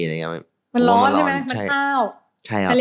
มันร้อนใช่ไหมมันอ้าว